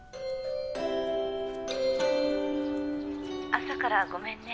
朝からごめんね。